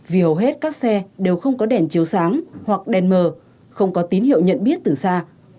vì hầu hết các xe đều không có đèn chiếu sáng hoặc đèn mờ không có tín hiệu nhận biết từ xa